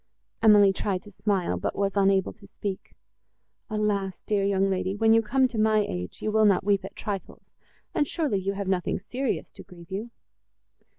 Emily tried to smile, but was unable to speak. "Alas! dear young lady, when you come to my age, you will not weep at trifles; and surely you have nothing serious, to grieve you."